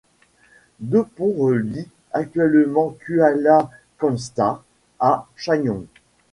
Deux ponts relient actuellement Kuala Kangsar à Sayong.